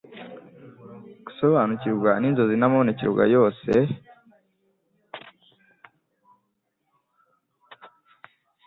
“gusobanukirwa n’inzozi n’amabonekerwa yose.” …